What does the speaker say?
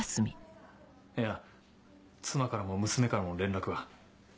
いや妻からも娘からも連絡は。